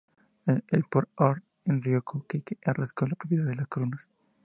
En Port Orford, el río Coquille arrasó las propiedades de los colonos.